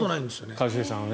一茂さんはね。